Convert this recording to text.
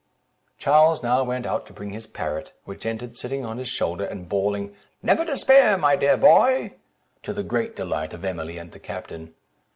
Charles now went out to bring his parrot, which entered, sitting on his shoulder and bawling, "Never despair my dear boy," to the great delight of Emily and the Captain.